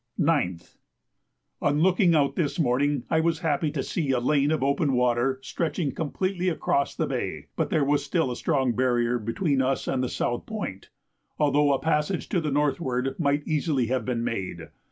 9th. On looking out this morning I was happy to see a lane of open water stretching completely across the bay, but there was still a strong barrier between us and the south point, although a passage to the northward might easily have been made.